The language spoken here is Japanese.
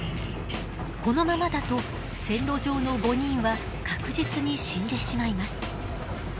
このままだと線路上の５人は確実に死んでしまいます。